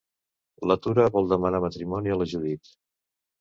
La Tura vol demanar matrimoni a la Judit.